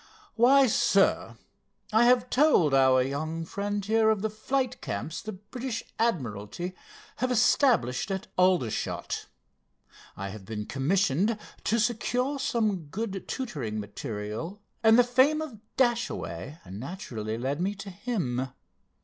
"Why, sir, I have told our young friend here of the flight camps the British admiralty have established at Aldershot. I have been commissioned to secure some good tutoring material, and the fame of Dashaway naturally led me to him.